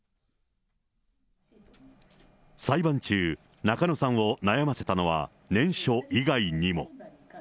裁判中、中野さんを悩ませたのは念書以外にも。